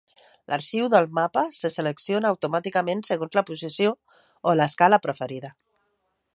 L'arxiu del mapa se selecciona automàticament segons la posició o l'escala preferida.